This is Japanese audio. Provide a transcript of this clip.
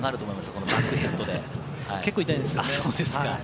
このバックヘッドって結構痛いんですか？